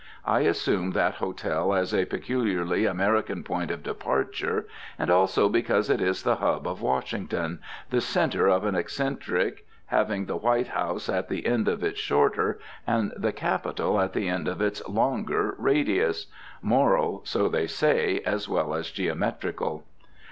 I assume that hotel as a peculiarly American point of departure, and also because it is the hub of Washington, the centre of an eccentric, having the White House at the end of its shorter, and the Capitol at the end of its longer radius, moral, so they say, as well as geometrical.